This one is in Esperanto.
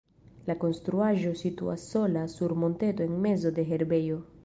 La konstruaĵo situas sola sur monteto en mezo de herbejo.